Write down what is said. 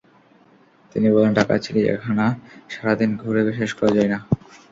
তিনি বললেন, ঢাকা চিড়িয়াখানা সারা দিন ঘুরে শেষ করা যায় না।